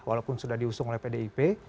walaupun sudah diusung oleh pdip